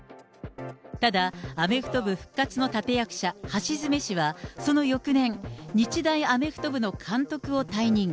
ただ、アメフト部復活の立役者、橋詰氏はその翌年、日大アメフト部の監督を退任。